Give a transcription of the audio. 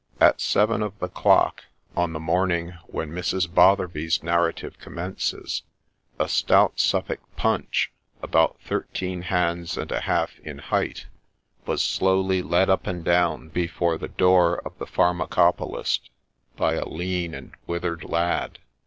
At seven of the clock, on the morning when Mrs. Botherby's narrative commences, a stout Suffolk ' punch,' about thirteen hands and a half in height, was slowly led up and down before the door of the pharmacopolist by a lean and withered lad, 70 MBS.